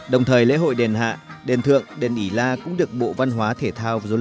đồng thời lễ hội đền hạ đền thượng đền ý la cũng được bộ văn hóa thể thao